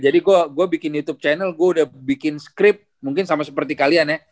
jadi gue bikin youtube channel gue udah bikin script mungkin sama seperti kalian ya